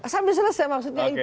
sampai selesai maksudnya itu